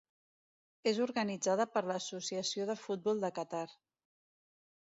És organitzada per l'Associació de Futbol de Qatar.